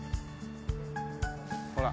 ほら。